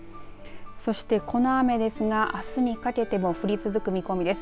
そして、この雨ですがあすにかけても降り続く見込みです。